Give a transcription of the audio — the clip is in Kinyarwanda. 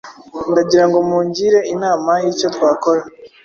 ndagirango mungire inama yicyo twakora